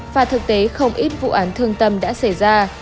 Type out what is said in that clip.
và thực tế không ít vụ án thương tâm đã xảy ra